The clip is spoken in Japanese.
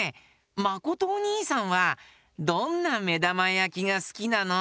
まことおにいさんはどんなめだまやきがすきなの？